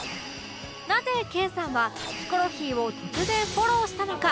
なぜ研さんはヒコロヒーを突然フォローしたのか